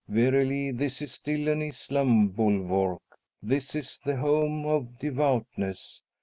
Verily this is still an Islam bulwark! This is the home of devoutness!